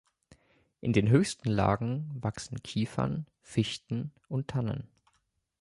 In den höchsten Lagen wachsen Kiefern, Fichten und Tannen.